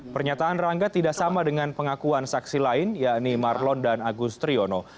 pernyataan rangga tidak sama dengan pengakuan saksi lain yakni marlon dan agus triyono